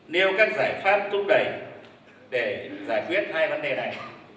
nêu các giải pháp thúc đẩy để giải quyết hai vấn đề này